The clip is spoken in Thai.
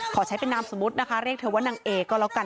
ขอใช้เป็นนามสมมุตินะคะเรียกเธอว่านางเอก็แล้วกัน